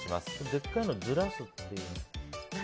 でかいのずらすっていう。